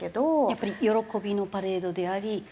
やっぱり喜びのパレードであり？